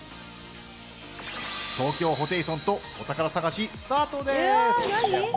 東京ホテイソンとお宝さがしスタートです！